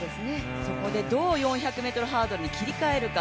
そこでどう４００ｍハードルに切り替えるか。